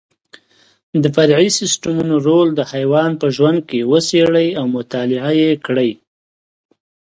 د فرعي سیسټمونو رول د حیوان په ژوند کې وڅېړئ او مطالعه یې کړئ.